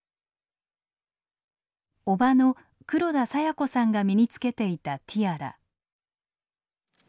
叔母の黒田清子さんが身につけていたティアラ。